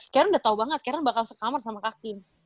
karena udah tau banget karen bakal sekamar sama kak tim